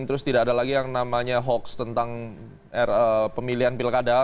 terus tidak ada lagi yang namanya hoax tentang pemilihan pilkada